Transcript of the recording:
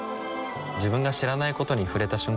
自分が知らないことに触れた瞬間